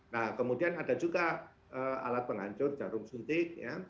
nah kemudian ada juga alat pengancur jarum suntik ya